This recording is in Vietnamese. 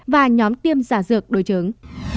và nhóm tiêm giả dược đối chứng